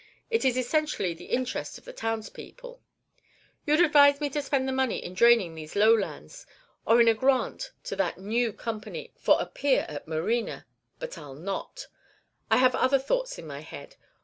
It is essentially the interest of the townspeople. You 'd advise me to spend the money in draining these low lands, or in a grant to that new company for a pier at Marina; but I 'll not; I have other thoughts in my head.